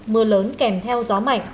mưa lớn kèm theo gió mạnh